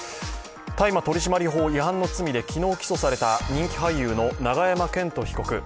大麻取締法違反の罪で昨日起訴された人気俳優の永山絢斗被告。